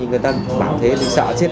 người ta bảo thế thì sợ chết